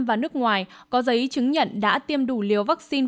và nước ngoài có giấy chứng nhận đã tiêm đủ liều vaccine